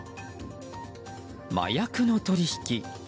麻薬の取引。